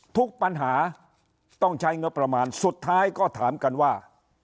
ทุกปัญหาต้องใช้งบประมาณสุดท้ายก็ถามกันว่า